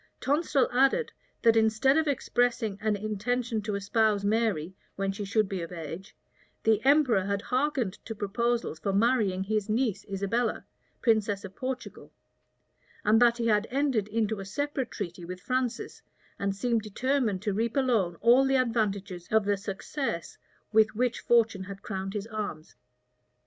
Tonstal added, that instead of expressing an intention to espouse Mary when she should be of age, the emperor had hearkened to proposals for marrying his niece Isabella, princess of Portugal; and that he had entered into a separate treaty with Francis, and seemed determined to reap alone all the advantages of the success with which fortune had crowned his arms.